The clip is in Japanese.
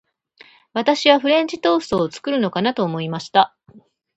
私はフレンチトーストを作るのかなと思いました。